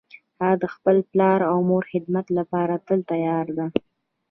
هغه د خپل پلار او مور د خدمت لپاره تل تیار ده